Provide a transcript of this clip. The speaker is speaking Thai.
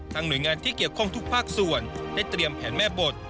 หน่วยงานที่เกี่ยวข้องทุกภาคส่วนได้เตรียมแผนแม่บท